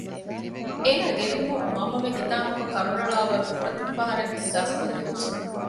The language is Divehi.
އޭނާ ގެއްލުމުން މަންމަމެން ހިތާމަކޮށް ކަރުނައަޅާނެ ވަރު ފުރަތަމަ ފަހަރަށް އިހްސާސްކޮށްލެވިއްޖެ